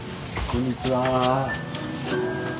こんにちは。